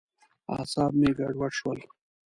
اعصاب مې ګډوډ شول.